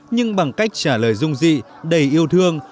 nhưng bằng cách trả lời dung dị đầy yêu thương